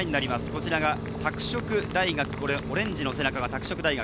こちらが拓殖大学、オレンジの背中が拓殖大学。